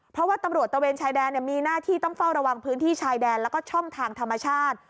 เพราะว่าตำรวจตะเวนชายแดนมีหน้าที่ต้องเฝ้าระวังพื้นที่ชายแดนแล้วก็ช่องทางธรรมชาติ